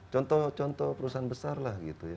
contoh contoh perusahaan besar lah gitu ya